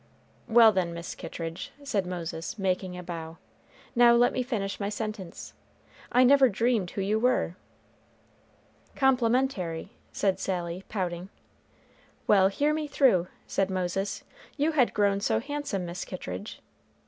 "Well, then, Miss Kittridge," said Moses, making a bow; "now let me finish my sentence. I never dreamed who you were." "Complimentary," said Sally, pouting. "Well, hear me through," said Moses; "you had grown so handsome, Miss Kittridge."